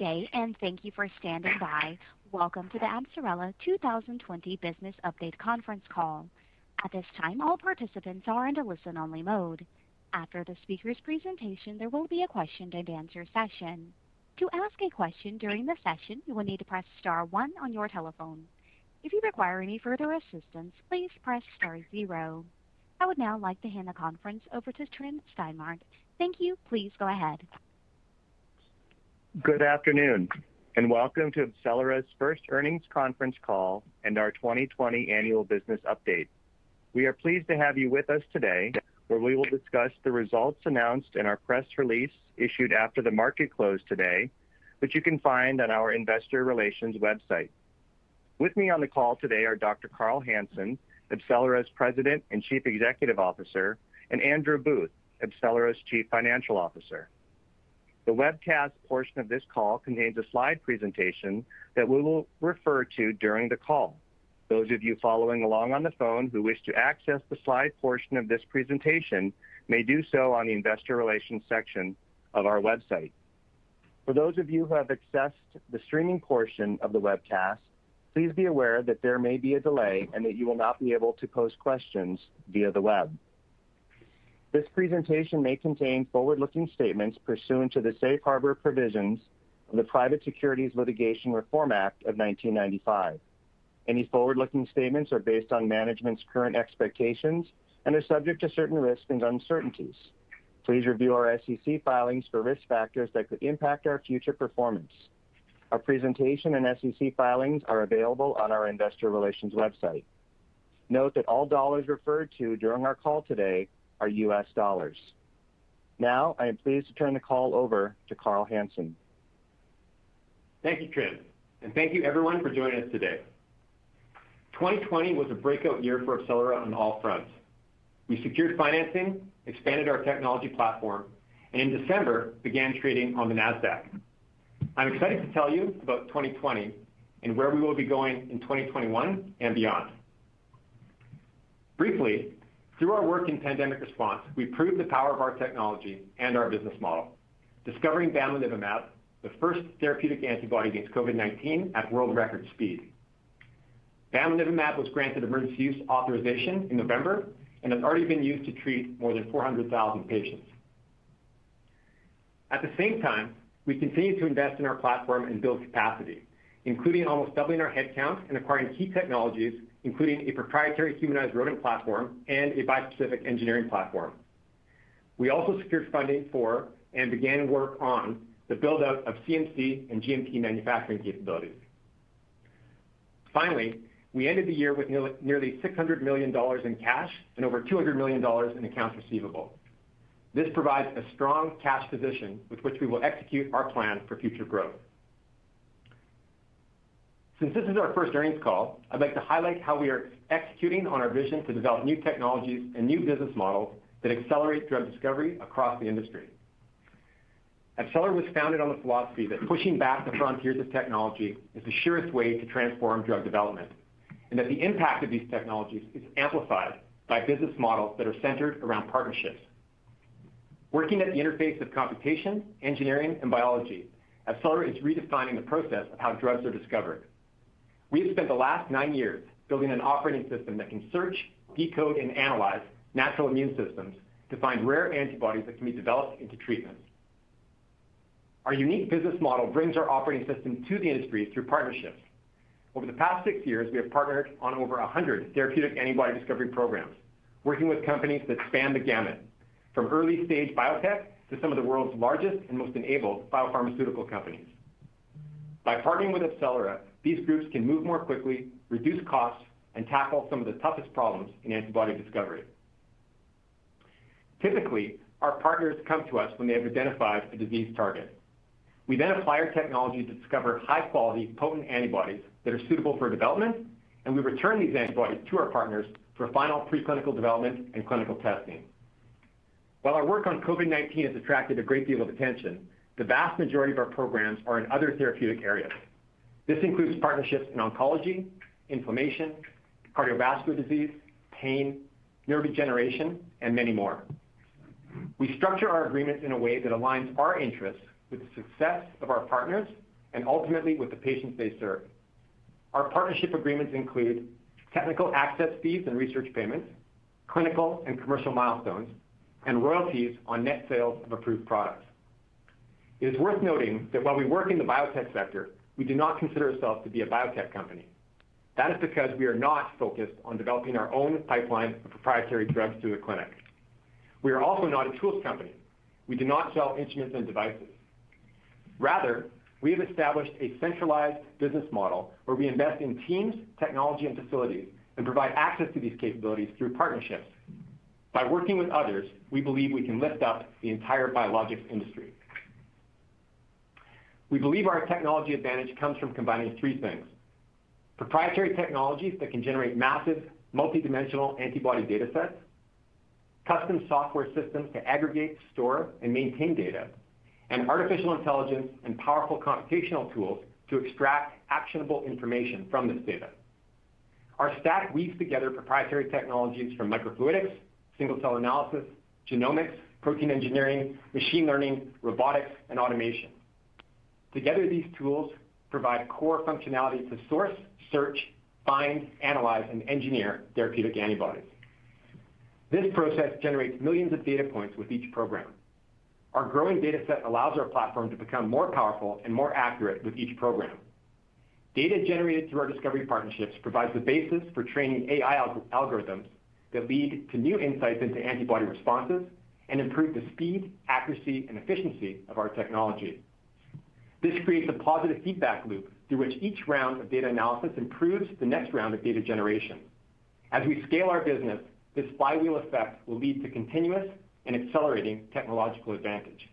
Good day, and thank you for standing by. Welcome to the AbCellera 2020 Business Update Conference Call. At this time, all participant are in listen-only mode. After the speaker's presentation, there will be a question and answer session. To ask a question during the session, you will need to press star one on your your telephone. If you require any further assistance, please press star zero. I would now like to hand the conference over to Tryn Stimart. Thank you. Please go ahead. Good afternoon, welcome to AbCellera's first earnings conference call and our 2020 annual business update. We are pleased to have you with us today, where we will discuss the results announced in our press release issued after the market close today, which you can find on our investor relations website. With me on the call today are Dr. Carl Hansen, AbCellera's President and Chief Executive Officer, and Andrew Booth, AbCellera's Chief Financial Officer. The webcast portion of this call contains a slide presentation that we will refer to during the call. Those of you following along on the phone who wish to access the slide portion of this presentation may do so on the investor relations section of our website. For those of you who have accessed the streaming portion of the webcast, please be aware that there may be a delay and that you will not be able to pose questions via the web. This presentation may contain forward-looking statements pursuant to the Safe Harbor Provisions of the Private Securities Litigation Reform Act of 1995. Any forward-looking statements are based on management's current expectations and are subject to certain risks and uncertainties. Please review our SEC filings for risk factors that could impact our future performance. Our presentation and SEC filings are available on our investor relations website. Note that all dollars referred to during our call today are U.S. dollars. Now, I am pleased to turn the call over to Carl Hansen. Thank you, Tryn, and thank you everyone for joining us today. 2020 was a breakout year for AbCellera on all fronts. We secured financing, expanded our technology platform, and in December, began trading on the Nasdaq. I'm excited to tell you about 2020 and where we will be going in 2021 and beyond. Briefly, through our work in pandemic response, we proved the power of our technology and our business model, discovering bamlanivimab, the first therapeutic antibody against COVID-19, at world record speed. bamlanivimab was granted emergency use authorization in November and has already been used to treat more than 400,000 patients. At the same time, we continued to invest in our platform and build capacity, including almost doubling our head count and acquiring key technologies, including a proprietary humanized rodent platform and a bispecific engineering platform. We also secured funding for and began work on the build-out of CMC and GMP manufacturing capabilities. Finally, we ended the year with nearly $600 million in cash and over $200 million in accounts receivable. This provides a strong cash position with which we will execute our plan for future growth. Since this is our first earnings call, I'd like to highlight how we are executing on our vision to develop new technologies and new business models that accelerate drug discovery across the industry. AbCellera was founded on the philosophy that pushing back the frontiers of technology is the surest way to transform drug development, and that the impact of these technologies is amplified by business models that are centered around partnerships. Working at the interface of computation, engineering, and biology, AbCellera is redefining the process of how drugs are discovered. We have spent the last nine years building an operating system that can search, decode, and analyze natural immune systems to find rare antibodies that can be developed into treatments. Our unique business model brings our operating system to the industry through partnerships. Over the past six years, we have partnered on over 100 therapeutic antibody discovery programs, working with companies that span the gamut, from early-stage biotech to some of the world's largest and most enabled biopharmaceutical companies. By partnering with AbCellera, these groups can move more quickly, reduce costs, and tackle some of the toughest problems in antibody discovery. Typically, our partners come to us when they have identified a disease target. We then apply our technology to discover high-quality, potent antibodies that are suitable for development, and we return these antibodies to our partners for final pre-clinical development and clinical testing. While our work on COVID-19 has attracted a great deal of attention, the vast majority of our programs are in other therapeutic areas. This includes partnerships in oncology, inflammation, cardiovascular disease, pain, nerve regeneration, and many more. We structure our agreements in a way that aligns our interests with the success of our partners and ultimately with the patients they serve. Our partnership agreements include technical access fees and research payments, clinical and commercial milestones, and royalties on net sales of approved products. It is worth noting that while we work in the biotech sector, we do not consider ourselves to be a biotech company. That is because we are not focused on developing our own pipeline of proprietary drugs through the clinic. We are also not a tools company. We do not sell instruments and devices. Rather, we have established a centralized business model where we invest in teams, technology, and facilities, and provide access to these capabilities through partnerships. By working with others, we believe we can lift up the entire biologics industry. We believe our technology advantage comes from combining three things: proprietary technologies that can generate massive multi-dimensional antibody data sets, custom software systems to aggregate, store, and maintain data, and artificial intelligence and powerful computational tools to extract actionable information from this data. Our stack weaves together proprietary technologies from microfluidics, single-cell analysis, genomics, protein engineering, machine learning, robotics, and automation. Together, these tools provide core functionality to source, search, find, analyze, and engineer therapeutic antibodies. This process generates millions of data points with each program. Our growing data set allows our platform to become more powerful and more accurate with each program. Data generated through our discovery partnerships provides the basis for training AI algorithms that lead to new insights into antibody responses and improve the speed, accuracy, and efficiency of our technology. This creates a positive feedback loop through which each round of data analysis improves the next round of data generation. As we scale our business, this flywheel effect will lead to continuous and accelerating technological advantage.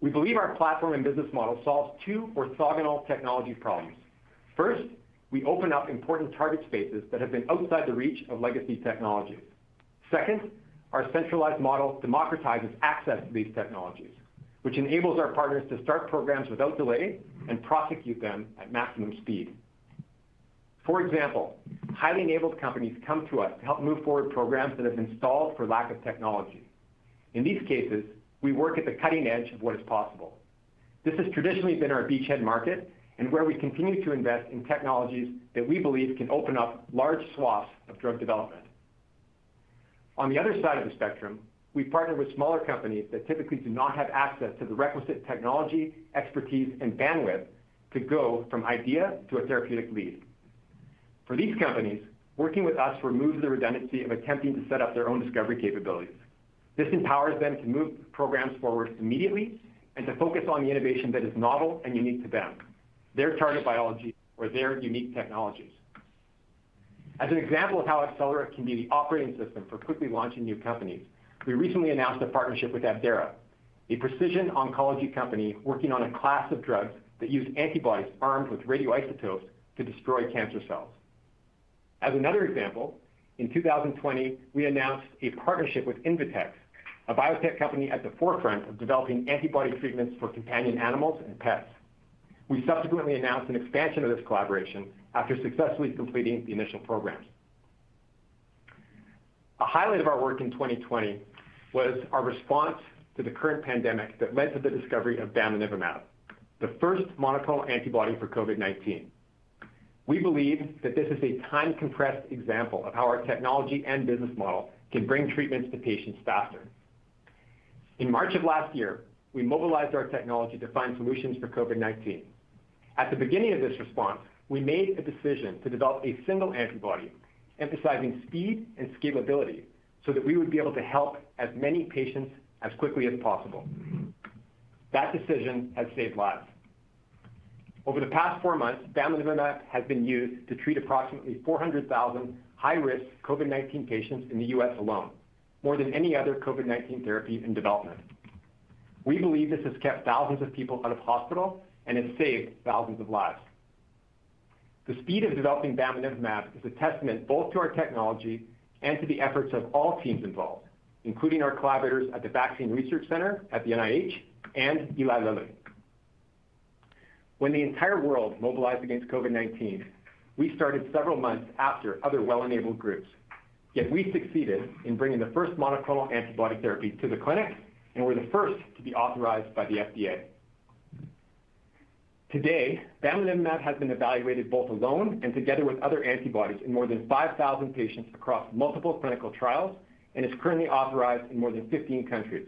We believe our platform and business model solves two orthogonal technology problems. First, we open up important target spaces that have been outside the reach of legacy technologies. Second, our centralized model democratizes access to these technologies, which enables our partners to start programs without delay and prosecute them at maximum speed. For example, highly enabled companies come to us to help move forward programs that have been stalled for lack of technology. In these cases, we work at the cutting edge of what is possible. This has traditionally been our beachhead market, and where we continue to invest in technologies that we believe can open up large swaths of drug development. On the other side of the spectrum, we partner with smaller companies that typically do not have access to the requisite technology, expertise, and bandwidth to go from idea to a therapeutic lead. For these companies, working with us removes the redundancy of attempting to set up their own discovery capabilities. This empowers them to move programs forward immediately and to focus on the innovation that is novel and unique to them, their target biology, or their unique technologies. As an example of how AbCellera can be the operating system for quickly launching new companies, we recently announced a partnership with Abdera, a precision oncology company working on a class of drugs that use antibodies armed with radioisotopes to destroy cancer cells. As another example, in 2020, we announced a partnership with Invetx, a biotech company at the forefront of developing antibody treatments for companion animals and pets. We subsequently announced an expansion of this collaboration after successfully completing the initial programs. A highlight of our work in 2020 was our response to the current pandemic that led to the discovery of bamlanivimab, the first monoclonal antibody for COVID-19. We believe that this is a time-compressed example of how our technology and business model can bring treatments to patients faster. In March of last year, we mobilized our technology to find solutions for COVID-19. At the beginning of this response, we made a decision to develop a single antibody, emphasizing speed and scalability so that we would be able to help as many patients as quickly as possible. That decision has saved lives. Over the past four months, bamlanivimab has been used to treat approximately 400,000 high-risk COVID-19 patients in the U.S. alone, more than any other COVID-19 therapy in development. We believe this has kept thousands of people out of hospital and has saved thousands of lives. The speed of developing bamlanivimab is a testament both to our technology and to the efforts of all teams involved, including our collaborators at the Vaccine Research Center at the NIH and Eli Lilly. When the entire world mobilized against COVID-19, we started several months after other well-enabled groups. Yet we succeeded in bringing the first monoclonal antibody therapy to the clinic, and were the first to be authorized by the FDA. Today, bamlanivimab has been evaluated both alone and together with other antibodies in more than 5,000 patients across multiple clinical trials and is currently authorized in more than 15 countries.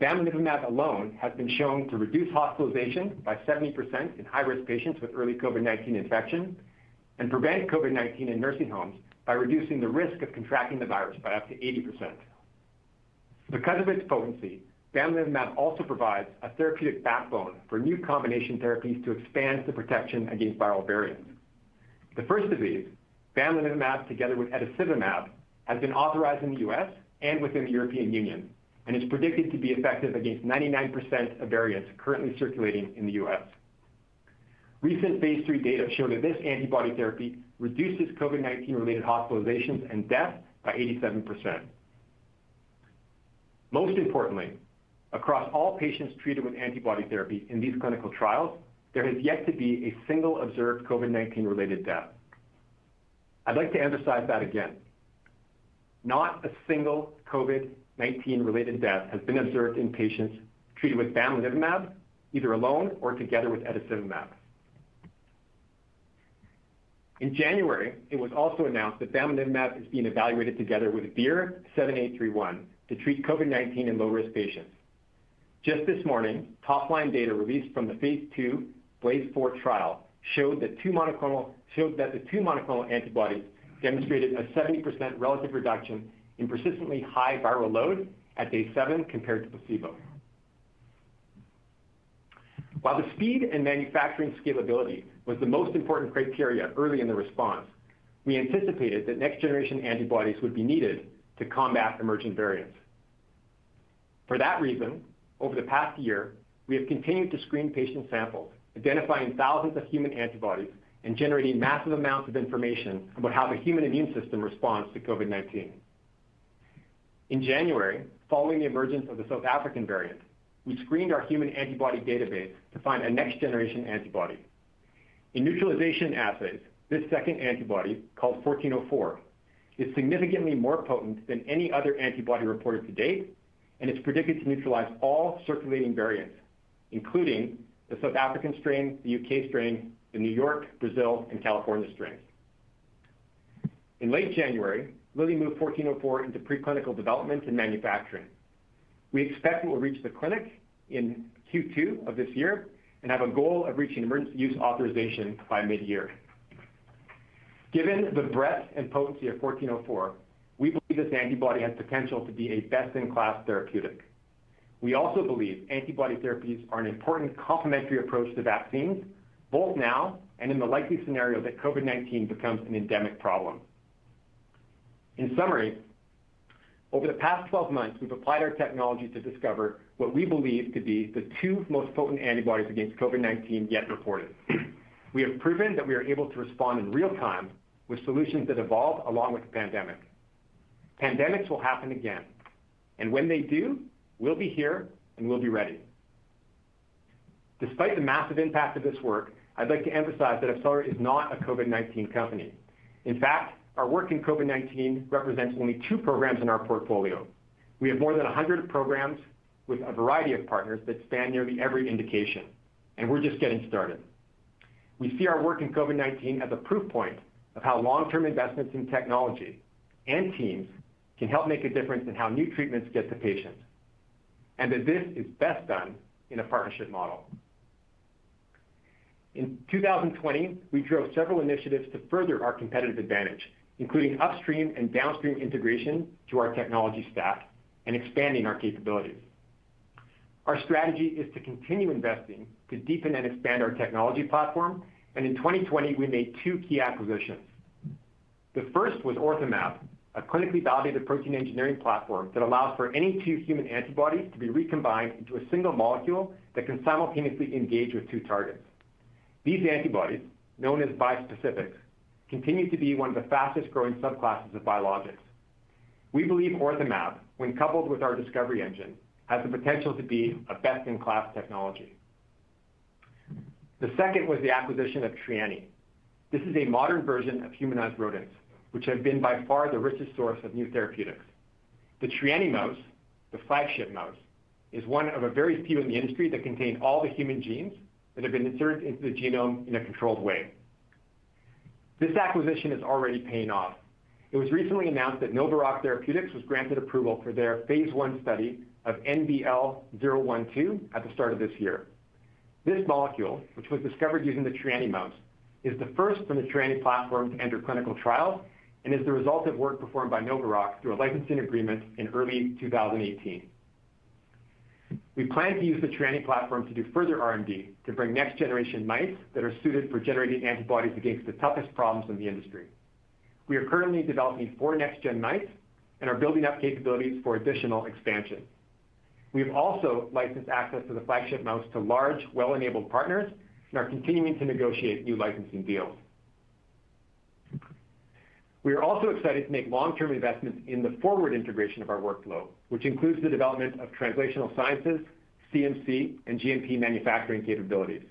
Bamlanivimab alone has been shown to reduce hospitalization by 70% in high-risk patients with early COVID-19 infection and prevent COVID-19 in nursing homes by reducing the risk of contracting the virus by up to 80%. Because of its potency, bamlanivimab also provides a therapeutic backbone for new combination therapies to expand the protection against viral variants. The first of these, bamlanivimab together with etesevimab, has been authorized in the U.S. and within the European Union and is predicted to be effective against 99% of variants currently circulating in the U.S. Recent phase III data show that this antibody therapy reduces COVID-19 related hospitalizations and death by 87%. Most importantly, across all patients treated with antibody therapy in these clinical trials, there has yet to be a single observed COVID-19 related death. I'd like to emphasize that again. Not a single COVID-19 related death has been observed in patients treated with bamlanivimab, either alone or together with etesevimab. In January, it was also announced that bamlanivimab is being evaluated together with VIR-7831 to treat COVID-19 in low-risk patients. Just this morning, top-line data released from the phase II BLAZE-4 trial showed that the two monoclonal antibodies demonstrated a 70% relative reduction in persistently high viral load at day seven compared to placebo. While the speed and manufacturing scalability was the most important criteria early in the response, we anticipated that next-generation antibodies would be needed to combat emerging variants. For that reason, over the past year, we have continued to screen patient samples, identifying thousands of human antibodies and generating massive amounts of information about how the human immune system responds to COVID-19. In January, following the emergence of the South African variant, we screened our human antibody database to find a next generation antibody. In neutralization assays, this second antibody, called 1404, is significantly more potent than any other antibody reported to date, and it's predicted to neutralize all circulating variants, including the South African variant, the U.K. strain, the New York, Brazil, and California strains. In late January, Lilly moved 1404 into preclinical development and manufacturing. We expect it will reach the clinic in Q2 of this year, and have a goal of reaching emergency use authorization by mid-year. Given the breadth and potency of 1404, we believe this antibody has potential to be a best-in-class therapeutic. We also believe antibody therapies are an important complementary approach to vaccines, both now and in the likely scenario that COVID-19 becomes an endemic problem. In summary, over the past 12 months, we've applied our technology to discover what we believe to be the two most potent antibodies against COVID-19 yet reported. We have proven that we are able to respond in real time with solutions that evolve along with the pandemic. Pandemics will happen again, and when they do, we'll be here and we'll be ready. Despite the massive impact of this work, I'd like to emphasize that AbCellera is not a COVID-19 company. In fact, our work in COVID-19 represents only two programs in our portfolio. We have more than 100 programs with a variety of partners that span nearly every indication, and we're just getting started. We see our work in COVID-19 as a proof point of how long-term investments in technology and teams can help make a difference in how new treatments get to patients, and that this is best done in a partnership model. In 2020, we drove several initiatives to further our competitive advantage, including upstream and downstream integration to our technology stack and expanding our capabilities. Our strategy is to continue investing to deepen and expand our technology platform, and in 2020, we made two key acquisitions. The first was OrthoMab, a clinically validated protein engineering platform that allows for any two human antibodies to be recombined into a single molecule that can simultaneously engage with two targets. These antibodies, known as bispecifics, continue to be one of the fastest growing subclasses of biologics. We believe OrthoMab, when coupled with our discovery engine, has the potential to be a best-in-class technology. The second was the acquisition of Trianni. This is a modern version of humanized rodents, which have been by far the richest source of new therapeutics. The Trianni Mouse, the flagship mouse, is one of a very few in the industry that contain all the human genes that have been inserted into the genome in a controlled way. This acquisition is already paying off. It was recently announced that NovaRock Biotherapeutics was granted approval for their phase I study of NBL-012 at the start of this year. This molecule, which was discovered using the Trianni Mouse, is the first from the Trianni platform to enter clinical trial and is the result of work performed by NovaRock through a licensing agreement in early 2018. We plan to use the Trianni platform to do further R&D to bring next generation mice that are suited for generating antibodies against the toughest problems in the industry. We are currently developing four next gen mice and are building up capabilities for additional expansion. We have also licensed access to the flagship mouse to large, well-enabled partners and are continuing to negotiate new licensing deals. We are also excited to make long-term investments in the forward integration of our workflow, which includes the development of translational sciences, CMC, and GMP manufacturing capabilities.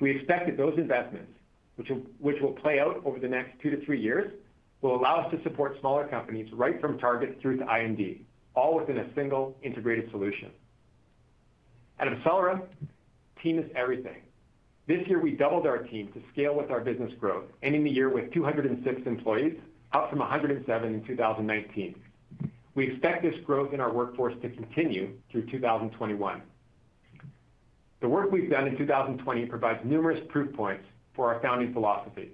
We expect that those investments, which will play out over the next two to three years, will allow us to support smaller companies right from target through to IND, all within a single integrated solution. At AbCellera, team is everything. This year, we doubled our team to scale with our business growth, ending the year with 206 employees, up from 107 in 2019. We expect this growth in our workforce to continue through 2021. The work we've done in 2020 provides numerous proof points for our founding philosophy.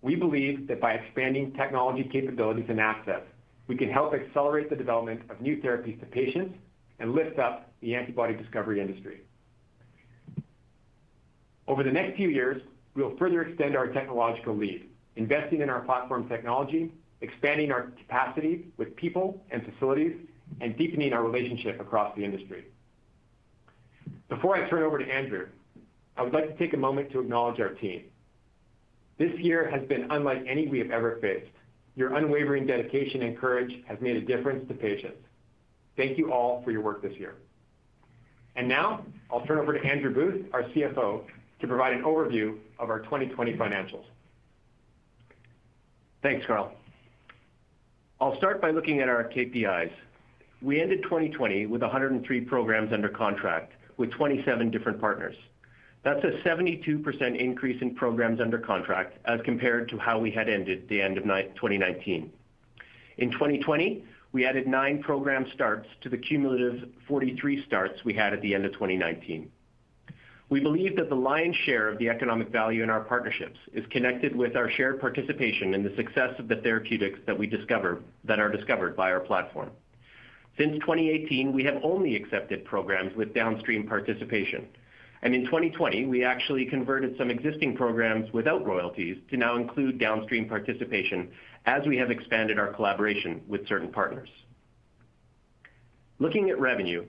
We believe that by expanding technology capabilities and access, we can help accelerate the development of new therapies to patients and lift up the antibody discovery industry. Over the next few years, we will further extend our technological lead, investing in our platform technology, expanding our capacity with people and facilities, and deepening our relationship across the industry. Before I turn it over to Andrew, I would like to take a moment to acknowledge our team. This year has been unlike any we have ever faced. Your unwavering dedication and courage has made a difference to patients. Thank you all for your work this year. Now I'll turn over to Andrew Booth, our CFO, to provide an overview of our 2020 financials. Thanks, Carl. I'll start by looking at our KPIs. We ended 2020 with 103 programs under contract with 27 different partners. That's a 72% increase in programs under contract as compared to how we had ended the end of 2019. In 2020, we added nine program starts to the cumulative 43 starts we had at the end of 2019. We believe that the lion's share of the economic value in our partnerships is connected with our shared participation in the success of the therapeutics that are discovered by our platform. Since 2018, we have only accepted programs with downstream participation, and in 2020, we actually converted some existing programs without royalties to now include downstream participation as we have expanded our collaboration with certain partners. Looking at revenue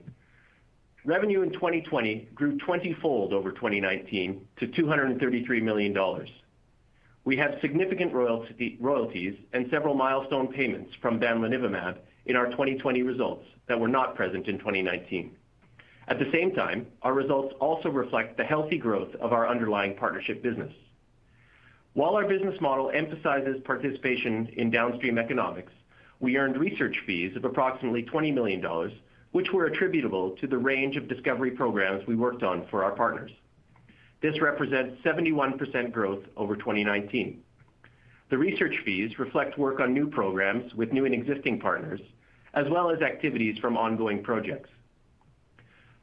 in 2020 grew twentyfold over 2019 to $233 million. We had significant royalties and several milestone payments from bamlanivimab in our 2020 results that were not present in 2019. At the same time, our results also reflect the healthy growth of our underlying partnership business. While our business model emphasizes participation in downstream economics, we earned research fees of approximately $20 million, which were attributable to the range of discovery programs we worked on for our partners. This represents 71% growth over 2019. The research fees reflect work on new programs with new and existing partners, as well as activities from ongoing projects.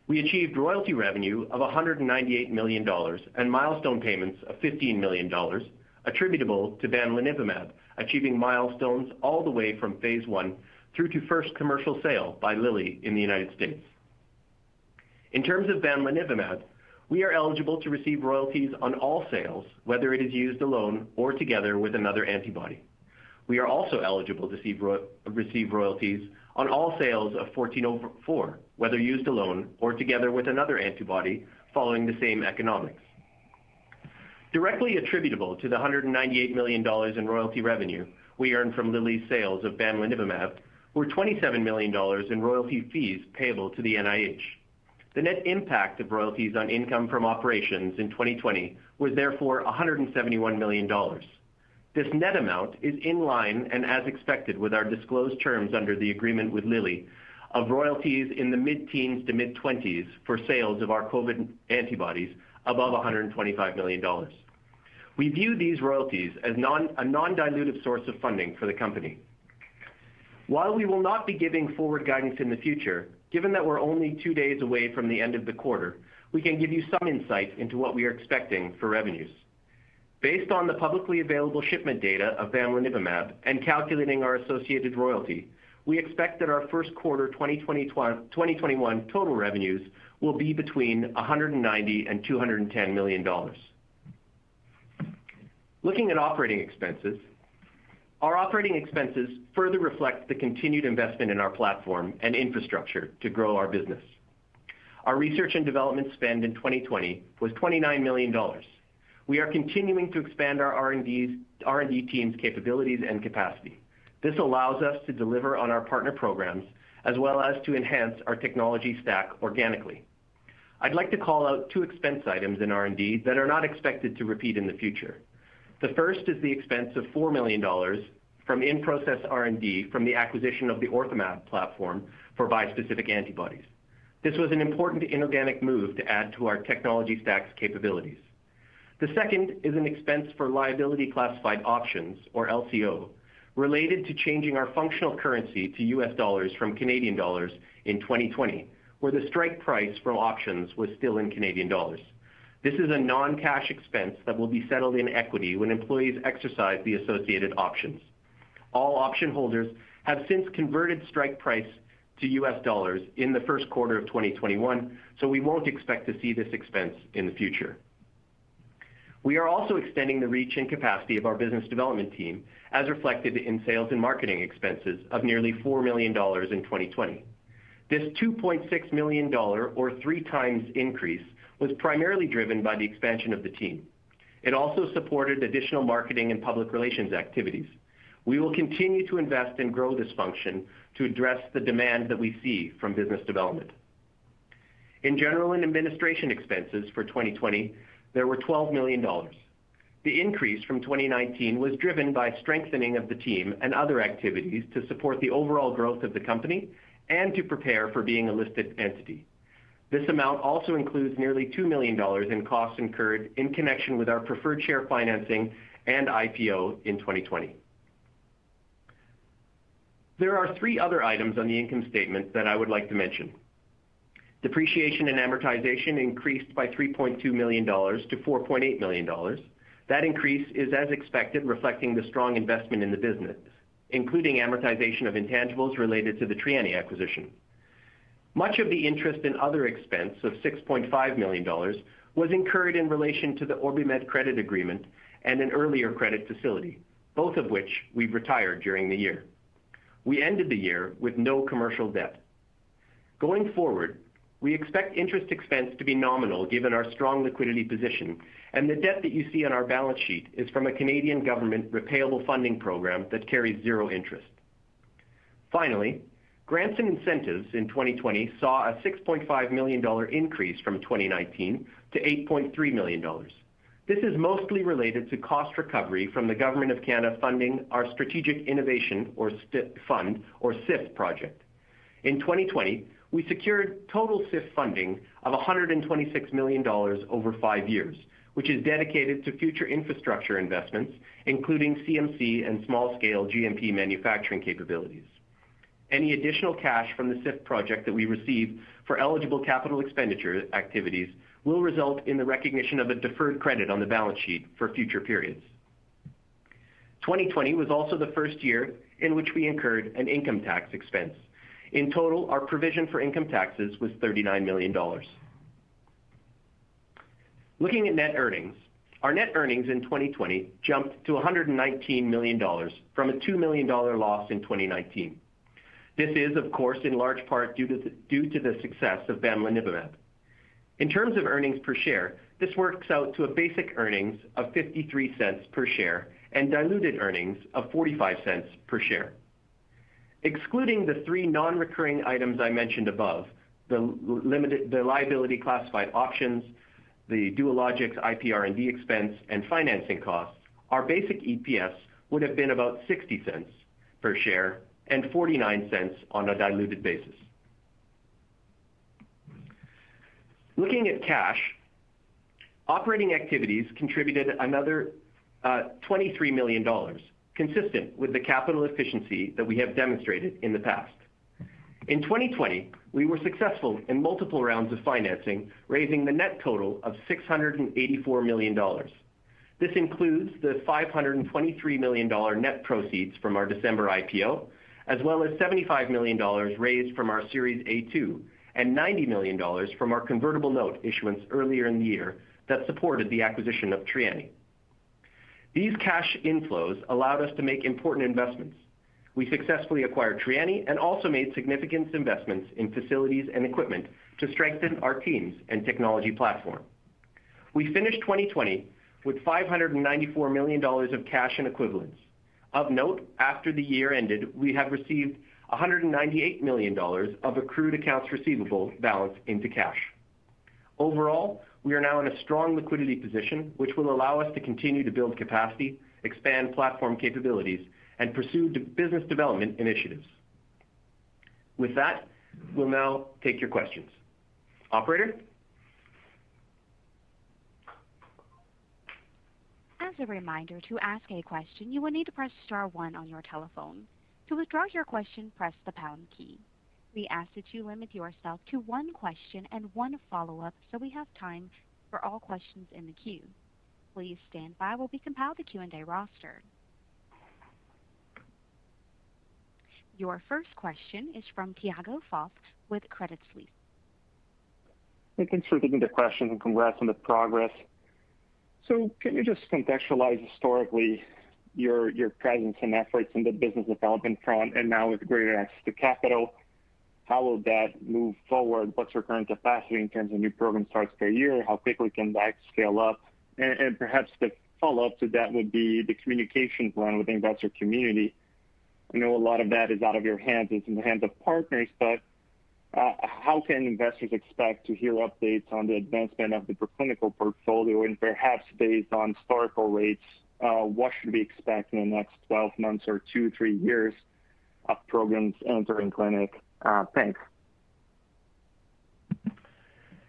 We achieved royalty revenue of $198 million and milestone payments of $15 million attributable to bamlanivimab, achieving milestones all the way from phase I through to first commercial sale by Lilly in the U.S. In terms of bamlanivimab, we are eligible to receive royalties on all sales, whether it is used alone or together with another antibody. We are also eligible to receive royalties on all sales of 1404, whether used alone or together with another antibody following the same economics. Directly attributable to the $198 million in royalty revenue we earned from Lilly's sales of bamlanivimab were $27 million in royalty fees payable to the NIH. The net impact of royalties on income from operations in 2020 was therefore $171 million. This net amount is in line and as expected with our disclosed terms under the agreement with Lilly of royalties in the mid-teens to mid-20s for sales of our COVID antibodies above $125 million. We view these royalties as a non-dilutive source of funding for the company. While we will not be giving forward guidance in the future, given that we're only two days away from the end of the quarter, we can give you some insight into what we are expecting for revenues. Based on the publicly available shipment data of bamlanivimab and calculating our associated royalty, we expect that our first quarter 2021 total revenues will be between $190 million and $210 million. Looking at operating expenses, our operating expenses further reflect the continued investment in our platform and infrastructure to grow our business. Our research and development spend in 2020 was $29 million. We are continuing to expand our R&D team's capabilities and capacity. This allows us to deliver on our partner programs as well as to enhance our technology stack organically. I'd like to call out two expense items in R&D that are not expected to repeat in the future. The first is the expense of $4 million from in-process R&D from the acquisition of the OrthoMab platform for bispecific antibodies. This was an important inorganic move to add to our technology stack's capabilities. The second is an expense for liability classified options, or LCO, related to changing our functional currency to U.S. dollars from Canadian dollars in 2020, where the strike price for options was still in Canadian dollars. This is a non-cash expense that will be settled in equity when employees exercise the associated options. All option holders have since converted strike price to U.S. dollars in the first quarter of 2021, we won't expect to see this expense in the future. We are also extending the reach and capacity of our business development team, as reflected in sales and marketing expenses of nearly $4 million in 2020. This $2.6 million or three times increase was primarily driven by the expansion of the team. It also supported additional marketing and public relations activities. We will continue to invest and grow this function to address the demand that we see from business development. In general and administration expenses for 2020, there were $12 million. The increase from 2019 was driven by strengthening of the team and other activities to support the overall growth of the company and to prepare for being a listed entity. This amount also includes nearly $2 million in costs incurred in connection with our preferred share financing and IPO in 2020. There are three other items on the income statement that I would like to mention. Depreciation and amortization increased by $3.2 million to $4.8 million. That increase is as expected, reflecting the strong investment in the business, including amortization of intangibles related to the Trianni acquisition. Much of the interest in other expense of $6.5 million was incurred in relation to the OrbiMed credit agreement and an earlier credit facility, both of which we retired during the year. We ended the year with no commercial debt. Going forward, we expect interest expense to be nominal given our strong liquidity position and the debt that you see on our balance sheet is from a Canadian government repayable funding program that carries zero interest. Finally, grants and incentives in 2020 saw a $6.5 million increase from 2019 to $8.3 million. This is mostly related to cost recovery from the government of Canada funding our Strategic Innovation Fund, or SIF project. In 2020, we secured total SIF funding of $126 million over five years, which is dedicated to future infrastructure investments, including CMC and small-scale GMP manufacturing capabilities. Any additional cash from the SIF project that we receive for eligible capital expenditure activities will result in the recognition of a deferred credit on the balance sheet for future periods. 2020 was also the first year in which we incurred an income tax expense. In total, our provision for income taxes was $39 million. Looking at net earnings, our net earnings in 2020 jumped to $119 million from a $2 million loss in 2019. This is, of course, in large part due to the success of bamlanivimab. In terms of earnings per share, this works out to a basic earnings of $0.53 per share and diluted earnings of $0.45 per share. Excluding the three non-recurring items I mentioned above, the liability-classified options, the Dualogics IPR&D expense, and financing costs, our basic EPS would have been about $0.60 per share and $0.49 on a diluted basis. Looking at cash, operating activities contributed another $23 million, consistent with the capital efficiency that we have demonstrated in the past. In 2020, we were successful in multiple rounds of financing, raising the net total of $684 million. This includes the $523 million net proceeds from our December IPO, as well as $75 million raised from our Series A-2, and $90 million from our convertible note issuance earlier in the year that supported the acquisition of Trianni. These cash inflows allowed us to make important investments. We successfully acquired Trianni and also made significant investments in facilities and equipment to strengthen our teams and technology platform. We finished 2020 with $594 million of cash and equivalents. Of note, after the year ended, we have received $198 million of accrued accounts receivable balance into cash. Overall, we are now in a strong liquidity position, which will allow us to continue to build capacity, expand platform capabilities, and pursue business development initiatives. With that, we'll now take your questions. Operator? As a reminder, to ask a question, you need to press star one on your telephone. To withdraw your question, press the pound key. We ask that you limit yourself to one question and one follow up, so we have time for all questions in the queue. Please stand by while we compile the Q&A roster. Your first question is from Tiago Fauth with Credit Suisse. Hey, thanks for taking the question, and congrats on the progress. Can you just contextualize historically your presence and efforts in the business development front and now with greater access to capital, how will that move forward? What's your current capacity in terms of new program starts per year? How quickly can that scale up? Perhaps the follow-up to that would be the communications run within investor community. I know a lot of that is out of your hands. It's in the hands of partners. How can investors expect to hear updates on the advancement of the preclinical portfolio and perhaps based on historical rates, what should we expect in the next 12 months or two, three years of programs entering clinic? Thanks.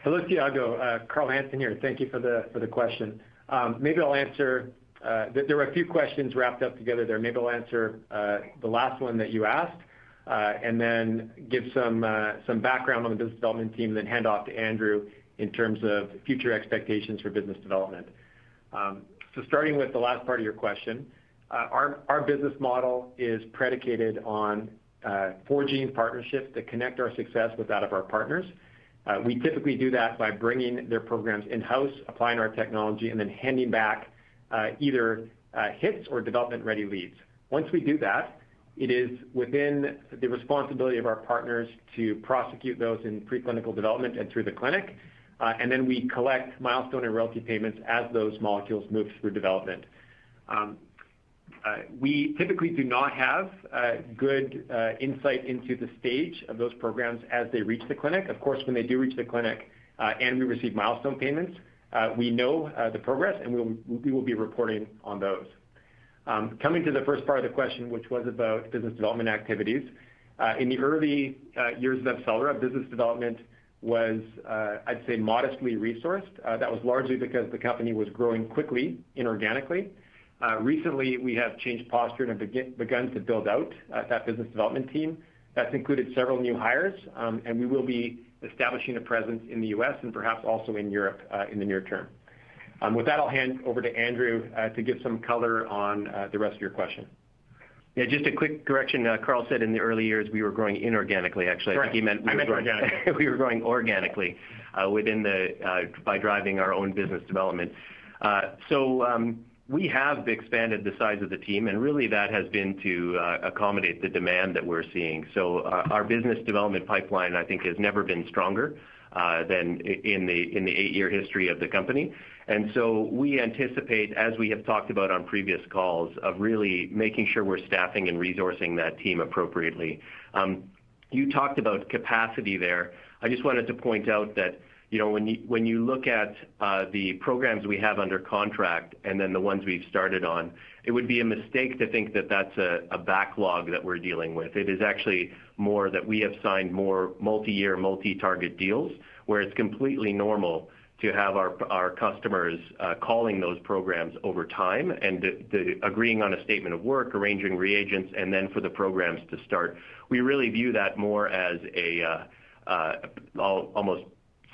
Hello, Tiago. Carl Hansen here. Thank you for the question. There were a few questions wrapped up together there. Maybe I'll answer the last one that you asked, give some background on the business development team, hand off to Andrew in terms of future expectations for business development. Starting with the last part of your question, our business model is predicated on forging partnerships that connect our success with that of our partners. We typically do that by bringing their programs in-house, applying our technology, handing back either hits or development-ready leads. Once we do that, it is within the responsibility of our partners to prosecute those in preclinical development and through the clinic. We collect milestone and royalty payments as those molecules move through development. We typically do not have good insight into the stage of those programs as they reach the clinic. Of course, when they do reach the clinic, and we receive milestone payments, we know the progress, and we will be reporting on those. Coming to the first part of the question, which was about business development activities. In the early years of AbCellera, business development was, I'd say, modestly resourced. That was largely because the company was growing quickly inorganically. Recently, we have changed posture and have begun to build out that business development team. That's included several new hires, and we will be establishing a presence in the U.S. and perhaps also in Europe, in the near term. With that, I'll hand over to Andrew to give some color on the rest of your question. Yeah, just a quick correction. Carl said in the early years, we were growing inorganically, actually. Correct. We were growing organically by driving our own business development. We have expanded the size of the team, really that has been to accommodate the demand that we're seeing. Our business development pipeline, I think, has never been stronger than in the eight-year history of the company. We anticipate, as we have talked about on previous calls, of really making sure we're staffing and resourcing that team appropriately. You talked about capacity there. I just wanted to point out that when you look at the programs we have under contract and then the ones we've started on, it would be a mistake to think that that's a backlog that we're dealing with. It is actually more that we have signed more multi-year, multi-target deals, where it's completely normal to have our customers calling those programs over time and agreeing on a statement of work, arranging reagents, and then for the programs to start. We really view that more as almost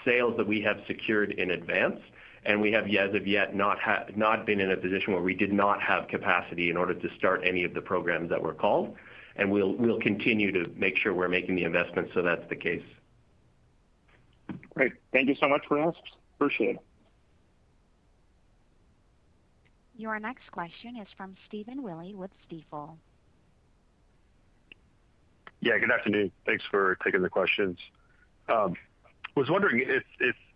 sales that we have secured in advance. We have as of yet not been in a position where we did not have capacity in order to start any of the programs that were called. We'll continue to make sure we're making the investments so that's the case. Great. Thank you so much for the answers. Appreciate it. Your next question is from Stephen Willey with Stifel. Yeah, good afternoon. Thanks for taking the questions. Was wondering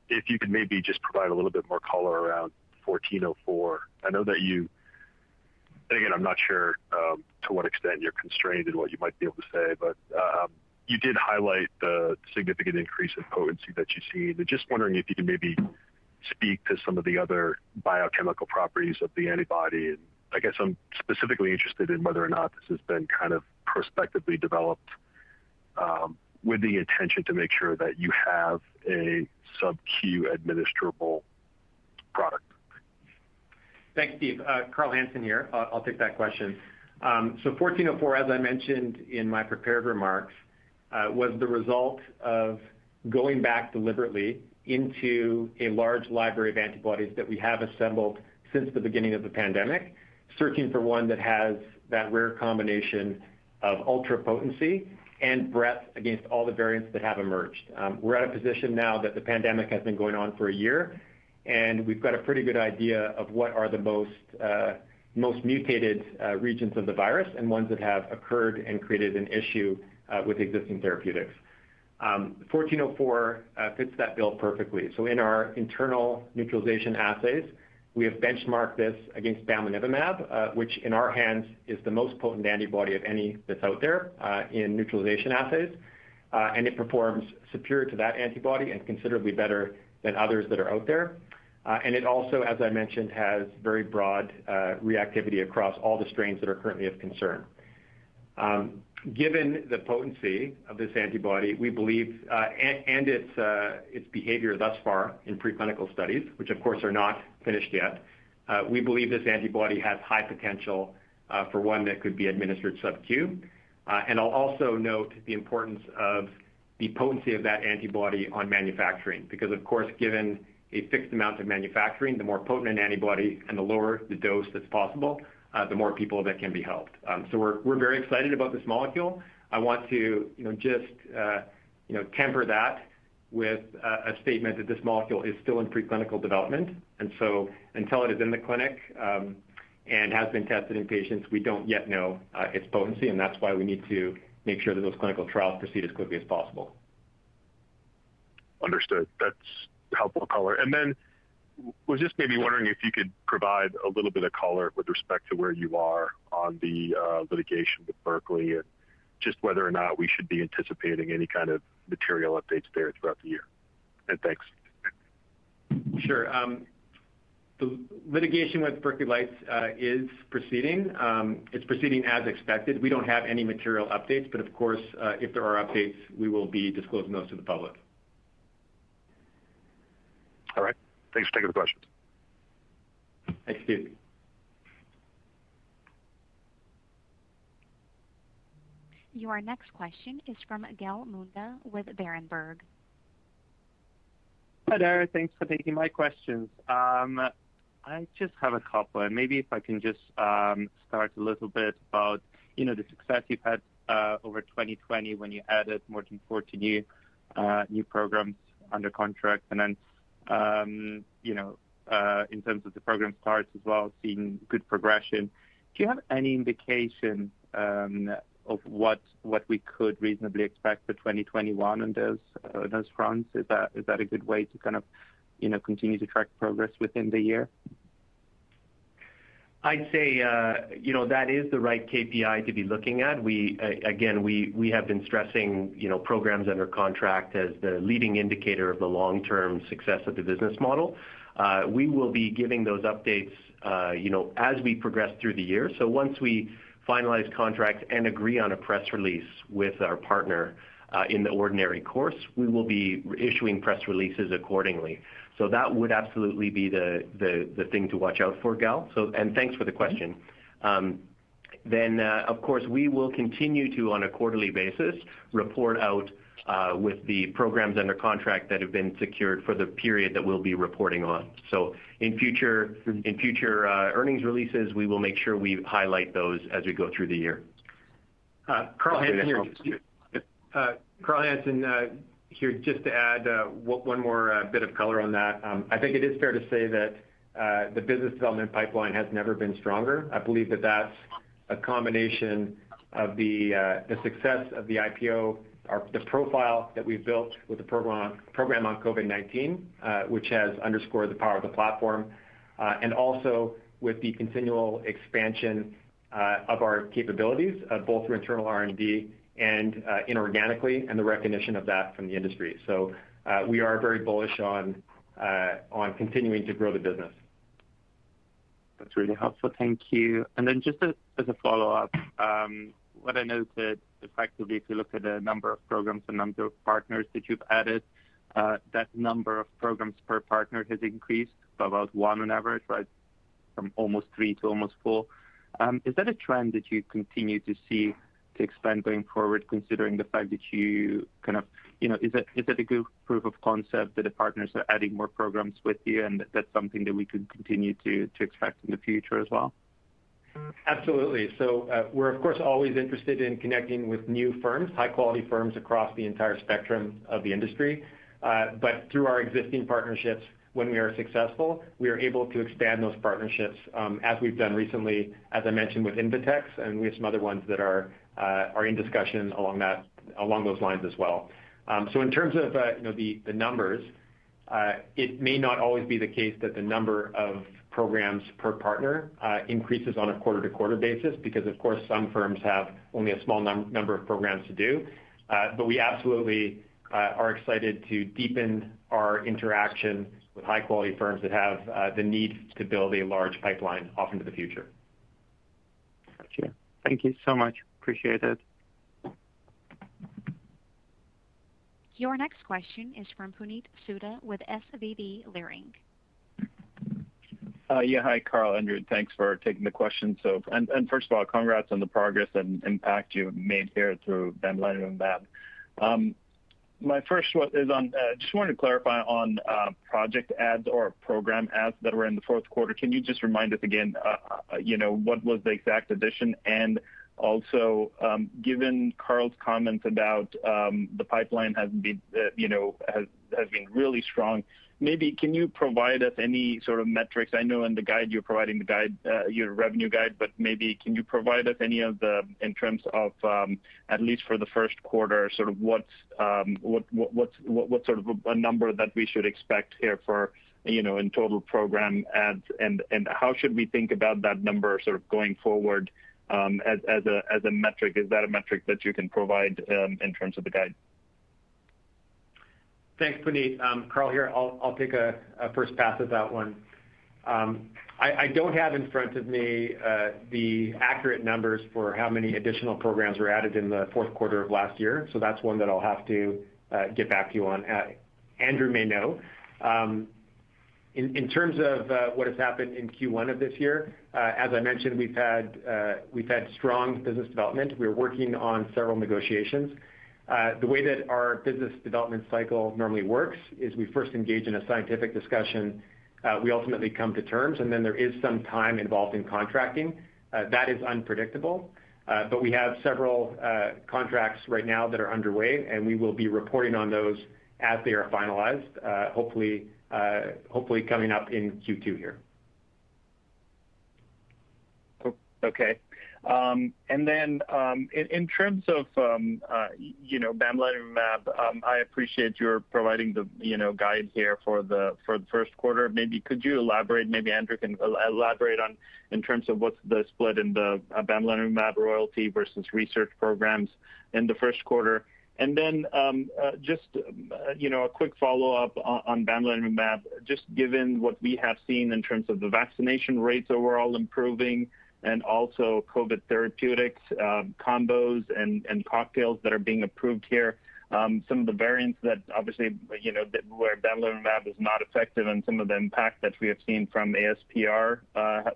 if you could maybe just provide a little bit more color around LY-CoV1404. Again, I'm not sure to what extent you're constrained in what you might be able to say, but you did highlight the significant increase in potency that you've seen. Just wondering if you could maybe speak to some of the other biochemical properties of the antibody, and I guess I'm specifically interested in whether or not this has been kind of prospectively developed with the intention to make sure that you have a sub-Q administrable product. Thanks, Steve. Carl Hansen here. I'll take that question. 1404, as I mentioned in my prepared remarks, was the result of going back deliberately into a large library of antibodies that we have assembled since the beginning of the pandemic, searching for one that has that rare combination of ultra potency and breadth against all the variants that have emerged. We're at a position now that the pandemic has been going on for one year, and we've got a pretty good idea of what are the most mutated regions of the virus, and ones that have occurred and created an issue with existing therapeutics. 1404 fits that bill perfectly. In our internal neutralization assays, we have benchmarked this against bamlanivimab, which in our hands is the most potent antibody of any that's out there in neutralization assays. It performs superior to that antibody and considerably better than others that are out there. It also, as I mentioned, has very broad reactivity across all the strains that are currently of concern. Given the potency of this antibody, and its behavior thus far in pre-clinical studies, which of course are not finished yet, we believe this antibody has high potential for one that could be administered sub-Q. I'll also note the importance of the potency of that antibody on manufacturing, because, of course, given a fixed amount of manufacturing, the more potent an antibody and the lower the dose that's possible, the more people that can be helped. We're very excited about this molecule. I want to just temper that with a statement that this molecule is still in pre-clinical development, and so until it is in the clinic, and has been tested in patients, we don't yet know its potency, and that's why we need to make sure that those clinical trials proceed as quickly as possible. Understood. That's helpful color. Was just maybe wondering if you could provide a little bit of color with respect to where you are on the litigation with Berkeley, and just whether or not we should be anticipating any kind of material updates there throughout the year. Thanks. Sure. The litigation with Berkeley Lights is proceeding. It's proceeding as expected. We don't have any material updates. Of course, if there are updates, we will be disclosing those to the public. All right. Thanks. Take care of the questions. Thanks, Steve. Your next question is from Gal Munda with Berenberg. Hi there. Thanks for taking my questions. I just have a couple. Maybe if I can just start a little bit about the success you've had over 2020 when you added more than 40 new programs under contract, then in terms of the program starts as well, seeing good progression. Do you have any indication of what we could reasonably expect for 2021 in those fronts? Is that a good way to kind of continue to track progress within the year? I'd say that is the right KPI to be looking at. Again, we have been stressing programs under contract as the leading indicator of the long-term success of the business model. We will be giving those updates as we progress through the year. Once we finalize contracts and agree on a press release with our partner in the ordinary course, we will be issuing press releases accordingly. That would absolutely be the thing to watch out for, Gal. Thanks for the question. Of course, we will continue to, on a quarterly basis, report out with the programs under contract that have been secured for the period that we'll be reporting on. In future earnings releases, we will make sure we highlight those as we go through the year. Carl Hansen here. Just to add one more bit of color on that. I think it is fair to say that the business development pipeline has never been stronger. I believe that that's a combination of the success of the IPO, the profile that we've built with the program on COVID-19, which has underscored the power of the platform, and also with the continual expansion of our capabilities, both through internal R&D and inorganically, and the recognition of that from the industry. We are very bullish on continuing to grow the business. That's really helpful. Thank you. Then just as a follow-up, what I noted effectively, if you look at the number of programs, the number of partners that you've added, that number of programs per partner has increased by about one on average. From almost three to almost four. Is that a trend that you continue to see to expand going forward? Is that a good proof of concept that the partners are adding more programs with you, and that's something that we could continue to expect in the future as well? Absolutely. We're of course, always interested in connecting with new firms, high-quality firms across the entire spectrum of the industry. Through our existing partnerships, when we are successful, we are able to expand those partnerships, as we've done recently, as I mentioned, with Invetx, and we have some other ones that are in discussion along those lines as well. In terms of the numbers, it may not always be the case that the number of programs per partner increases on a quarter-to-quarter basis because of course, some firms have only a small number of programs to do. We absolutely are excited to deepen our interaction with high-quality firms that have the need to build a large pipeline off into the future. Got you. Thank you so much. Appreciate it. Your next question is from Puneet Souda with SVB Leerink. Yeah. Hi, Carl, Andrew. Thanks for taking the question. First of all, congrats on the progress and impact you have made here through bamlanivimab. Just wanted to clarify on project adds or program adds that were in the fourth quarter. Can you just remind us again, what was the exact addition? Also, given Carl's comments about the pipeline has been really strong, maybe can you provide us any sort of metrics? I know in the guide you're providing your revenue guide, but maybe can you provide us any of the, in terms of at least for the first quarter, sort of what sort of a number that we should expect here for in total program adds and how should we think about that number sort of going forward as a metric? Is that a metric that you can provide in terms of the guide? Thanks, Puneet. Carl here. I'll take a first pass at that one. I don't have in front of me the accurate numbers for how many additional programs were added in the fourth quarter of last year, so that's one that I'll have to get back to you on. Andrew may know. In terms of what has happened in Q1 of this year, as I mentioned, we've had strong business development. We're working on several negotiations. The way that our business development cycle normally works is we first engage in a scientific discussion, we ultimately come to terms, and then there is some time involved in contracting. That is unpredictable. We have several contracts right now that are underway, and we will be reporting on those as they are finalized, hopefully, coming up in Q2 here. Okay. In terms of bamlanivimab, I appreciate your providing the guide here for the first quarter. Maybe could you elaborate, maybe Andrew can elaborate on in terms of what's the split in the bamlanivimab royalty versus research programs in the first quarter. Just a quick follow-up on bamlanivimab. Just given what we have seen in terms of the vaccination rates overall improving and also COVID therapeutics combos and cocktails that are being approved here, some of the variants that obviously where bamlanivimab is not effective and some of the impact that we have seen from ASPR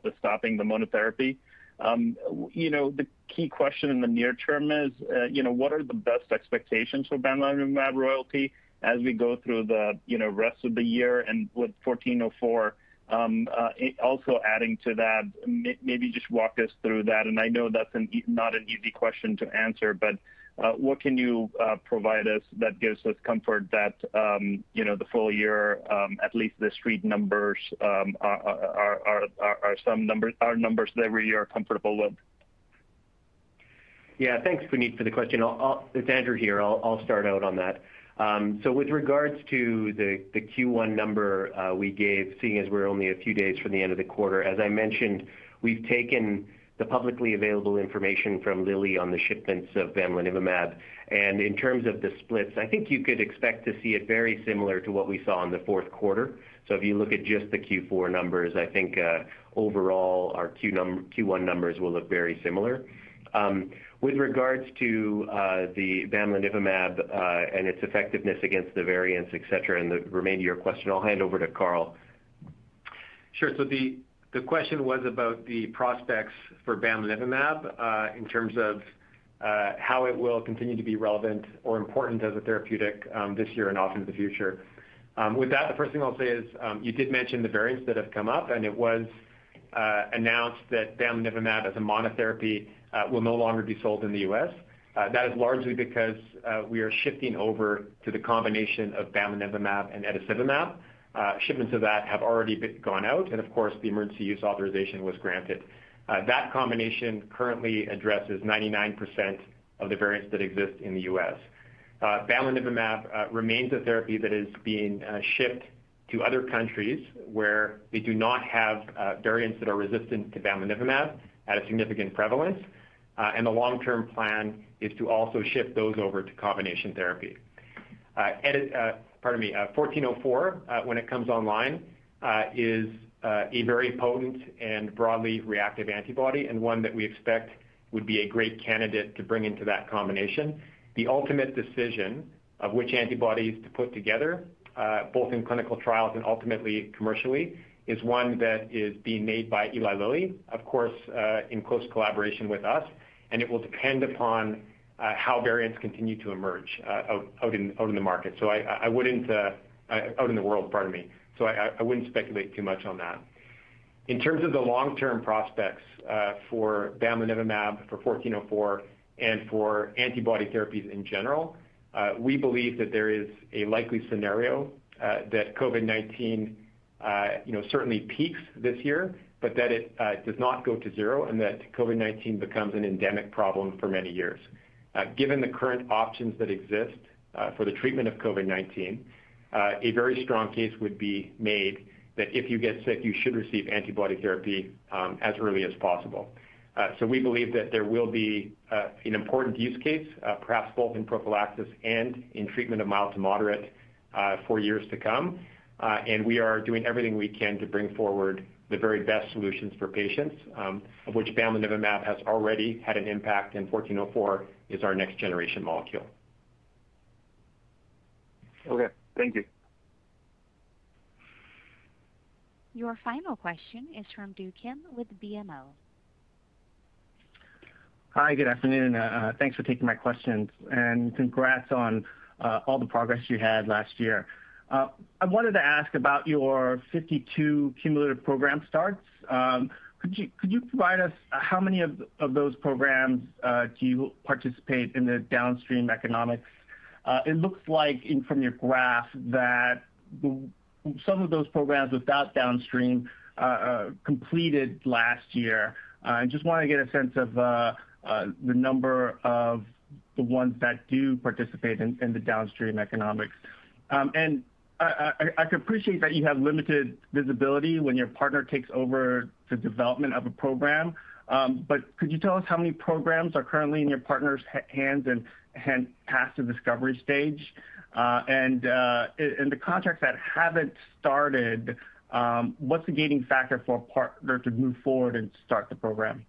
with stopping the monotherapy. The key question in the near term is what are the best expectations for bamlanivimab royalty as we go through the rest of the year and with 1404 also adding to that. Maybe just walk us through that, and I know that's not an easy question to answer, but what can you provide us that gives us comfort that the full year at least the Street numbers are numbers that we are comfortable with? Thanks, Puneet, for the question. It's Andrew here. With regards to the Q1 number we gave, seeing as we're only a few days from the end of the quarter, as I mentioned, we've taken the publicly available information from Lilly on the shipments of bamlanivimab, and in terms of the splits, I think you could expect to see it very similar to what we saw in the fourth quarter. If you look at just the Q4 numbers, I think overall our Q1 numbers will look very similar. With regards to the bamlanivimab and its effectiveness against the variants, et cetera, and the remainder of your question, I'll hand over to Carl. Sure. The question was about the prospects for bamlanivimab, in terms of how it will continue to be relevant or important as a therapeutic this year and off into the future. With that, the first thing I'll say is, you did mention the variants that have come up, and it was announced that bamlanivimab as a monotherapy will no longer be sold in the U.S. That is largely because we are shifting over to the combination of bamlanivimab and etesevimab. Shipments of that have already gone out, and of course, the emergency use authorization was granted. That combination currently addresses 99% of the variants that exist in the U.S. bamlanivimab remains a therapy that is being shipped to other countries where they do not have variants that are resistant to bamlanivimab at a significant prevalence. The long-term plan is to also shift those over to combination therapy. 1404, when it comes online, is a very potent and broadly reactive antibody, and one that we expect would be a great candidate to bring into that combination. The ultimate decision of which antibodies to put together, both in clinical trials and ultimately commercially, is one that is being made by Eli Lilly, of course, in close collaboration with us, and it will depend upon how variants continue to emerge out in the market. Out in the world, pardon me. I wouldn't speculate too much on that. In terms of the long-term prospects for bamlanivimab, for 1404, and for antibody therapies in general, we believe that there is a likely scenario that COVID-19 certainly peaks this year, but that it does not go to zero and that COVID-19 becomes an endemic problem for many years. Given the current options that exist for the treatment of COVID-19, a very strong case would be made that if you get sick, you should receive antibody therapy as early as possible. We believe that there will be an important use case, perhaps both in prophylaxis and in treatment of mild to moderate for years to come. We are doing everything we can to bring forward the very best solutions for patients, of which bamlanivimab has already had an impact, and 1404 is our next-generation molecule. Okay. Thank you. Your final question is from Do Kim with BMO. Hi, good afternoon. Thanks for taking my questions, and congrats on all the progress you had last year. I wanted to ask about your 52 cumulative program starts. Could you provide us how many of those programs do you participate in the downstream economics? It looks like from your graph that some of those programs without downstream completed last year. I just want to get a sense of the number of the ones that do participate in the downstream economics. I appreciate that you have limited visibility when your partner takes over the development of a program, but could you tell us how many programs are currently in your partner's hands and past the discovery stage? The contracts that haven't started, what's the gating factor for a partner to move forward and start the program?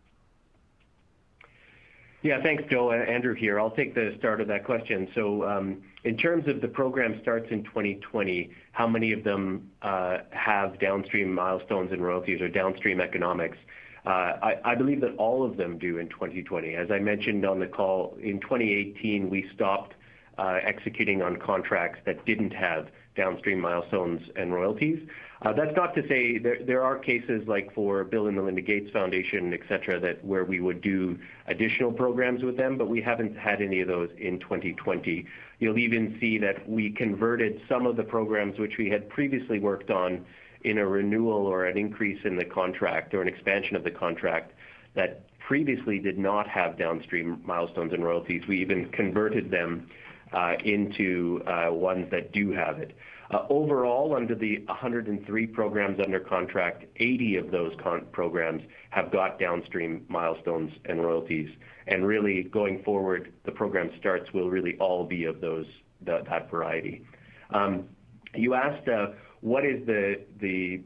Thanks, Do. Andrew here. I'll take the start of that question. In terms of the program starts in 2020, how many of them have downstream milestones and royalties or downstream economics? I believe that all of them do in 2020. As I mentioned on the call, in 2018, we stopped executing on contracts that didn't have downstream milestones and royalties. That's not to say there are cases like for Bill & Melinda Gates Foundation, et cetera, where we would do additional programs with them, but we haven't had any of those in 2020. You'll even see that we converted some of the programs which we had previously worked on in a renewal or an increase in the contract or an expansion of the contract that previously did not have downstream milestones and royalties. We even converted them into ones that do have it. Overall, under the 103 programs under contract, 80 of those programs have got downstream milestones and royalties. Really going forward, the program starts will really all be of that variety. You asked, what is the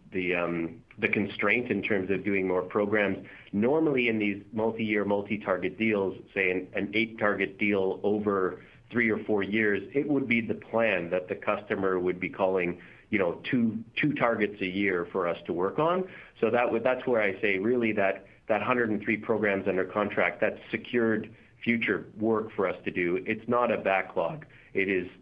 constraint in terms of doing more programs? Normally, in these multi-year, multi-target deals, say an eight-target deal over three or four years, it would be the plan that the customer would be calling two targets a year for us to work on. That's where I say really that 103 programs under contract, that's secured future work for us to do. It's not a backlog.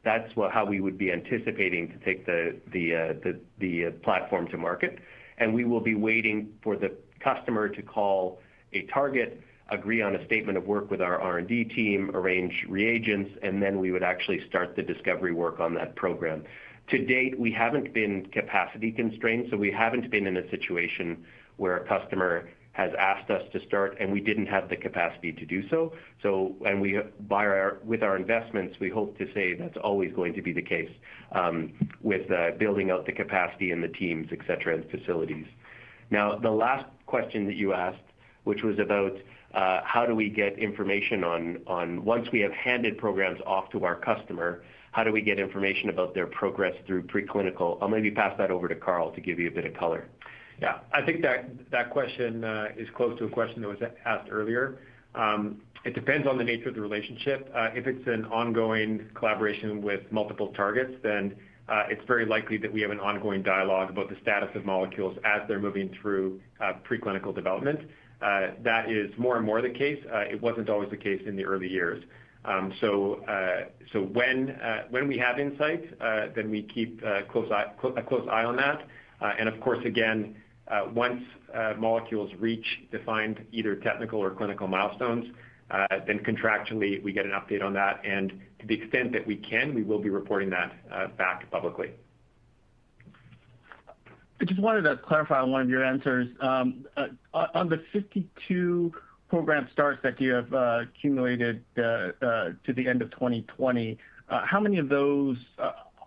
That's how we would be anticipating to take the platform to market, and we will be waiting for the customer to call a target, agree on a statement of work with our R&D team, arrange reagents, and then we would actually start the discovery work on that program. To date, we haven't been capacity constrained, so we haven't been in a situation where a customer has asked us to start and we didn't have the capacity to do so. With our investments, we hope to say that's always going to be the case with building out the capacity and the teams, et cetera, and facilities. The last question that you asked, which was about once we have handed programs off to our customer, how do we get information about their progress through preclinical? I'll maybe pass that over to Carl to give you a bit of color. Yeah. I think that question is close to a question that was asked earlier. It depends on the nature of the relationship. If it's an ongoing collaboration with multiple targets, then it's very likely that we have an ongoing dialogue about the status of molecules as they're moving through preclinical development. That is more and more the case. It wasn't always the case in the early years. When we have insights, then we keep a close eye on that. Of course, again, once molecules reach defined either technical or clinical milestones, then contractually, we get an update on that. To the extent that we can, we will be reporting that back publicly. I just wanted to clarify one of your answers. On the 52 program starts that you have accumulated to the end of 2020, how many of those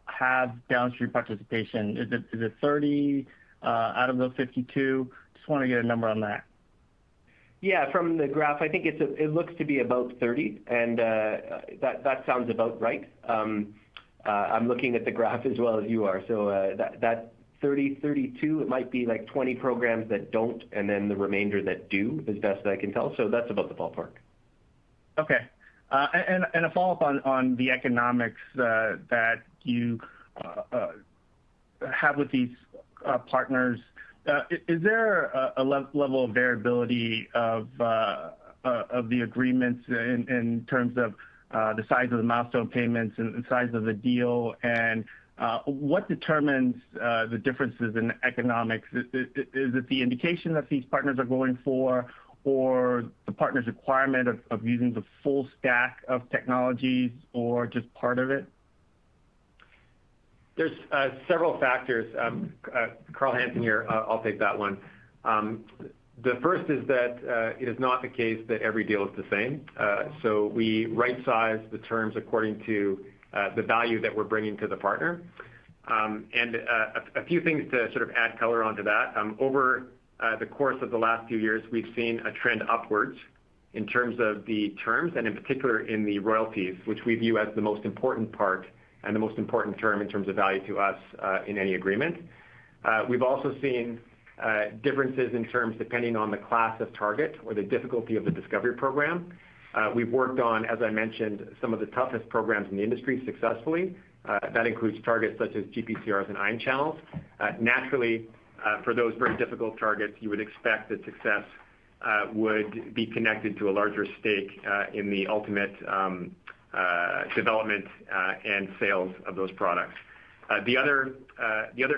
have downstream participation? Is it 30 out of those 52? Just want to get a number on that. Yeah. From the graph, I think it looks to be about 30, and that sounds about right. I'm looking at the graph as well as you are. That 30, 32, it might be 20 programs that don't, and then the remainder that do, as best I can tell. That's about the ballpark. Okay. A follow-up on the economics that you have with these partners, is there a level of variability of the agreements in terms of the size of the milestone payments and size of the deal? What determines the differences in economics? Is it the indication that these partners are going for, or the partner's requirement of using the full stack of technologies or just part of it? There's several factors. Carl Hansen here. I'll take that one. The first is that it is not the case that every deal is the same. We right-size the terms according to the value that we're bringing to the partner. A few things to sort of add color onto that. Over the course of the last few years, we've seen a trend upwards in terms of the terms, and in particular in the royalties, which we view as the most important part and the most important term in terms of value to us in any agreement. We've also seen differences in terms depending on the class of target or the difficulty of the discovery program. We've worked on, as I mentioned, some of the toughest programs in the industry successfully. That includes targets such as GPCRs and ion channels. Naturally, for those very difficult targets, you would expect that success would be connected to a larger stake in the ultimate development and sales of those products. The other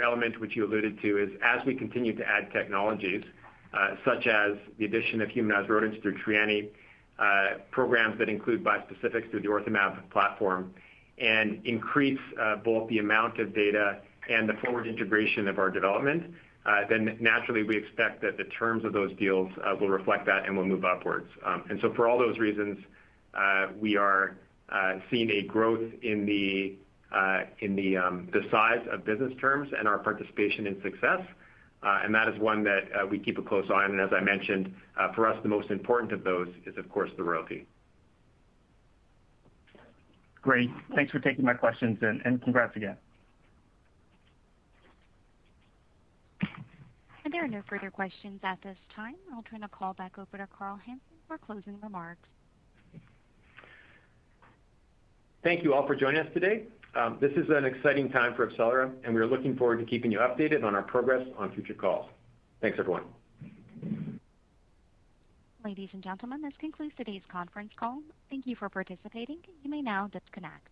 element which you alluded to is as we continue to add technologies, such as the addition of humanized rodents through Trianni, programs that include bispecifics through the OrthoMab platform, and increase both the amount of data and the forward integration of our development, then naturally, we expect that the terms of those deals will reflect that and will move upwards. For all those reasons, we are seeing a growth in the size of business terms and our participation and success. That is one that we keep a close eye on. As I mentioned, for us, the most important of those is, of course, the royalty. Great. Thanks for taking my questions, and congrats again. There are no further questions at this time. I'll turn the call back over to Carl Hansen for closing remarks. Thank you all for joining us today. This is an exciting time for AbCellera, and we are looking forward to keeping you updated on our progress on future calls. Thanks, everyone. Ladies and gentlemen, this concludes today's conference call. Thank you for participating. You may now disconnect.